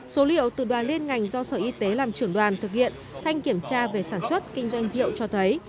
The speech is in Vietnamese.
số liệu từ đoàn liên ngành do sở y tế làm trưởng đoàn thực hiện thanh kiểm tra về sản xuất kinh doanh rượu cho thấy